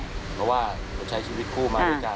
เพราะว่ามันใช้ชีวิตคู่มาด้วยกัน